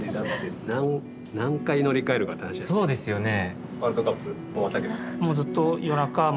そうですよね。